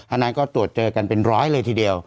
อันนั้นก็ตรวจเจอกันเป็นร้อยเลยทีเดียว